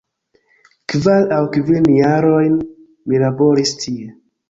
Kvar aŭ kvin jarojn, mi laboris tie.